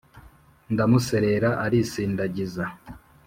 ndamuserera arisindagiza